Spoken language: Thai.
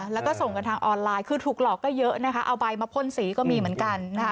แล้วก็ส่งกันทางออนไลน์คือถูกหลอกก็เยอะนะคะเอาใบมาพ่นสีก็มีเหมือนกันนะคะ